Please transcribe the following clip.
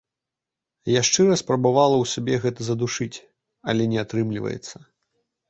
Я шчыра спрабавала ў сабе гэта задушыць, але не атрымліваецца.